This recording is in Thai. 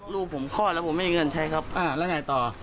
ลูกผมคลอดแล้วผมไม่มีเงินใช้ครับแล้วไงต่อ